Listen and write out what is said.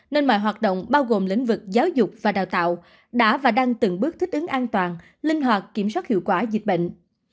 nên mọi hoạt động bao gồm lĩnh vực giáo dục và đào tạo đã và đang từng bước thích ứng an toàn linh hoạt kiểm soát hiệu quả dịch bệnh